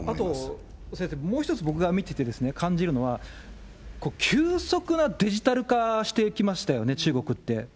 あと、先生、もう１つ、僕が見てて感じるのは、急速なデジタル化していきましたよね、中国って。